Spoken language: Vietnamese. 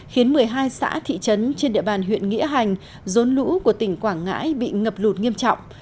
khiến một mươi hai xã thị trấn trên địa bàn huyện nghĩa hành rốn lũ của tỉnh quảng ngãi bị ngập lụt nghiêm trọng